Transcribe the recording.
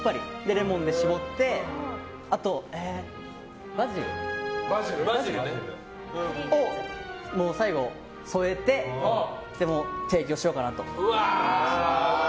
レモンを搾ってあと、バジルを最後添えて提供しようかなと。